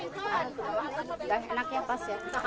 udah enak ya pas ya